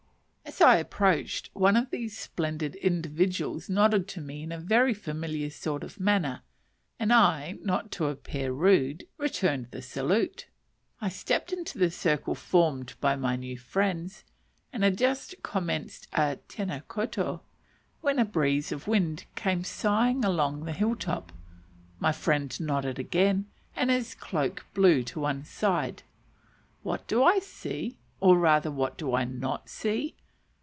As I approached, one of these splendid individuals nodded to me in a very familiar sort of manner, and I, not to appear rude, returned the salute. I stepped into the circle formed by my new friends, and had just commenced a tena koutou, when a breeze of wind came sighing along the hill top; my friend nodded again, and his cloak blew to one side. What do I see? or rather what do I not see?